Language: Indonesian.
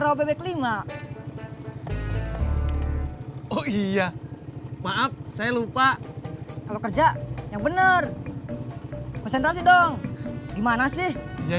oh iya maaf saya lupa kalau kerja yang bener konsentrasi dong gimana sih ya maaf